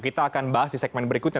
kita akan bahas di segmen berikutnya